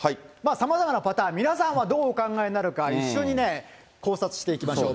さまざまなパターン、皆さんはどうお考えになるか、一緒にね、考察していきましょう。